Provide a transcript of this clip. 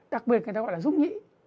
đặc biệt người ta gọi là rút nhĩ